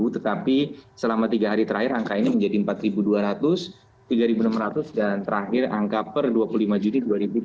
tetapi selama tiga hari terakhir angka ini menjadi empat dua ratus tiga enam ratus dan terakhir angka per dua puluh lima juni dua ribu tujuh belas